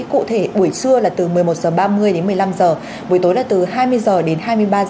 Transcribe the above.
cụ thể buổi trưa là từ một mươi một h ba mươi đến một mươi năm h buổi tối là từ hai mươi h đến hai mươi ba h